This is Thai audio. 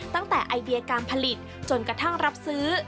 ไอเดียการผลิตจนกระทั่งรับซื้อ